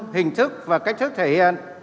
hình thức và cách thức thể hiện